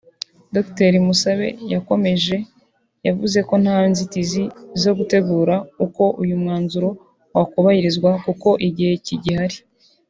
Dr Musabe yakomeje yavuze ko nta nzitizi zo gutegura uko uyu mwanzuro wakubahirizwa kuko igihe kigihari